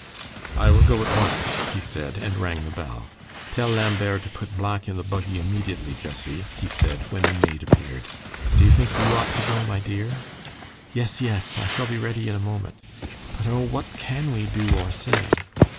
"I will go at once," he said, and rang the bell. "Tell Lambert to put Black in the buggy immediately, Jessie," he said, when the maid appeared. "Do you think you ought to go, my dear?" "Yes, yes, I shall be ready in a moment; but, oh, what can we do or say?"